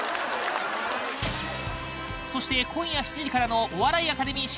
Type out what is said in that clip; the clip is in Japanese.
そして今夜７時からのお笑いアカデミー賞